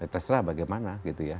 terserah bagaimana gitu ya